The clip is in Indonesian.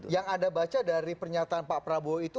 yang anda baca dari pernyataan pak prabowo itu